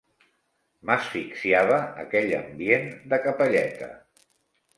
M'asfixiava aquell ambient de capelleta.